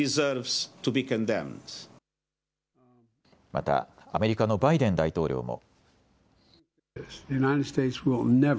またアメリカのバイデン大統領も。